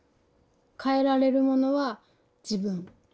変えられるものは自分。